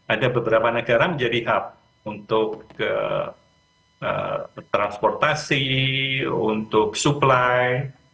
ada beberapa negara menjadi hub untuk transportasi untuk supply